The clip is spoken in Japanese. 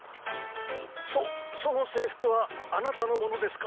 そそのせいふくはあなたのものですか？